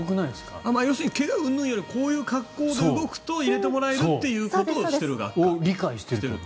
要するに怪我うんぬんよりこういう格好で動くと入れてもらえるということをそれを理解していると。